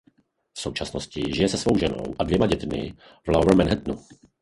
V současnosti žije se svou ženou a dvěma dětmi v Lower Manhattanu.